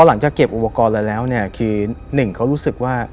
พอหลังจากเก็บอุปกรณ์เลยแล้วคือหนึ่งเขารู้สึกว่า